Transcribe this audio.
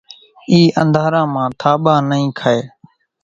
اِي انڌارا مان ٿاٻان نئي کائي